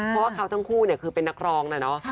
เพราะว่าเขาทั้งคู่คือเป็นนักร้องนะเนาะ